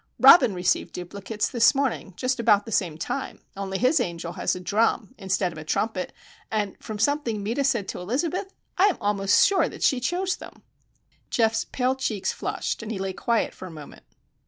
Robin received duplicates this morning, just about the same time; only his angel has a drum instead of a trumpet, and from something Meta said to Elizabeth I am almost sure that she chose them!" Geof's pale cheeks flushed and he lay quiet for a moment.